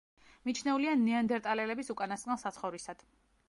მიჩნეულია ნეანდერტალელების უკანასკნელ საცხოვრისად.